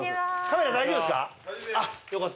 カメラ大丈夫ですか？